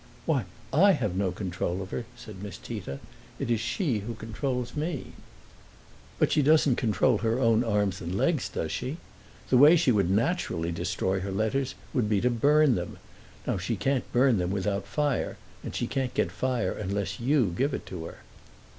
"Why, I have no control of her," said Miss Tita. "It's she who controls me." "But she doesn't control her own arms and legs, does she? The way she would naturally destroy her letters would be to burn them. Now she can't burn them without fire, and she can't get fire unless you give it to her."